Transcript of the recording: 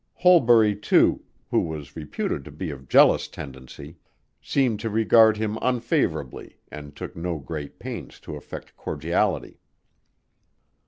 Holbury, too, who was reputed to be of jealous tendency, seemed to regard him unfavorably and took no great pains to affect cordiality.